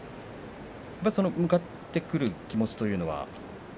向かってくる気持ちというのは。